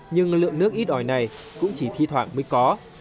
nhưng lượng nước ít ỏi này cũng chỉ thi thoảng mới có